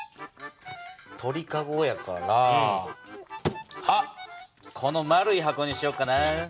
鳥かごやからあっこの丸い箱にしよっかな。